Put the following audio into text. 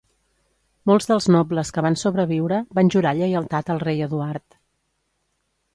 Molts dels nobles que van sobreviure, van jurar lleialtat al rei Eduard.